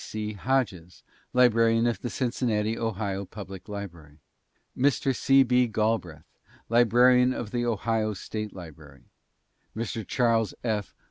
D. C. Hodges, librarian of the Cincinnati, Ohio, Public Library; Mr. C. B. Galbreath, librarian of the Ohio State Library; Mr. Charles F.